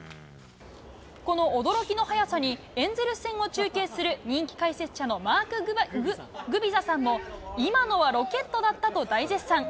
この驚きの速さに、エンゼルス戦を中継する人気解説者のマーク・グビザさんも、今のはロケットだったと大絶賛。